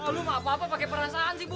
lo gak apa apa pake perasaan sih